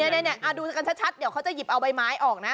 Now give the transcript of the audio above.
นี่ดูกันชัดเดี๋ยวเขาจะหยิบเอาใบไม้ออกนะ